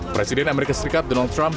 presiden amerika serikat donald trump